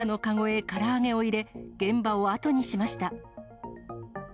自転車の籠へから揚げを入れ、現場を後にしました。